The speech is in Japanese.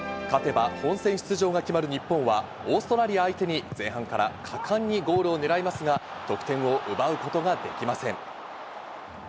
勝てば本戦出場が決まる日本はオーストラリア相手に前半から果敢にゴールを狙いますが、得点を奪うことができません。